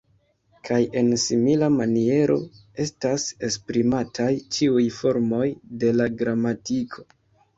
Kaj en simila maniero estas esprimataj ĉiuj formoj de la gramatiko.